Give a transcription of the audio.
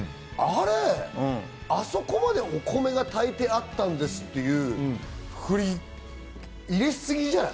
あそこまでお米が炊いてあったんですっていうふり、入れすぎじゃない？